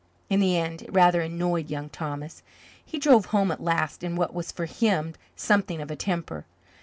In the end it rather annoyed Young Thomas. He drove home at last in what was for him something of a temper.